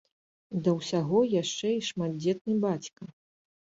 Да ўсяго, яшчэ і шматдзетны бацька.